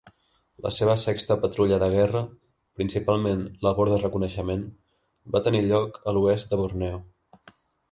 La seva sexta patrulla de guerra, principalment labor de reconeixement, va tenir lloc a l'oest de Borneo.